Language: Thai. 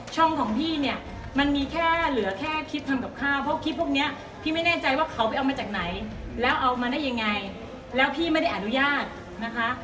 ของพี่เนี่ยมันมีแค่เหลือแค่คลิปทำกับข้าวเพราะคลิปพวกเนี้ยพี่ไม่แน่ใจว่าเขาไปเอามาจากไหนแล้วเอามาได้ยังไงแล้วพี่ไม่ได้อนุญาตนะคะ